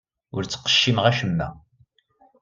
Ur ttqeccimeɣ acemma.